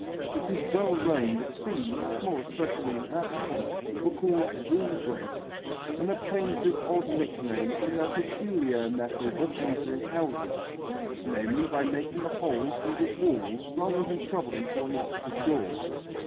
It is well known that thieves, more especially in Athens, were called "wall breakers," and obtained this odd nickname from their peculiar method of entering houses, namely, by making a hole through the wall rather than troubling to unlock the door.